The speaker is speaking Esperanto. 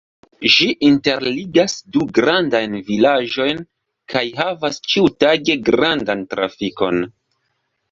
Ĝi interligas du grandajn vilaĝojn kaj havas ĉiutage grandan trafikon.